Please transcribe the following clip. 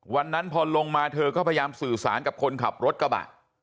วันนั้นพอลงมาเธอก็พยายามสื่อสารกับคนขับรถกระบะ